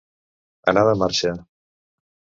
Anar de marxa.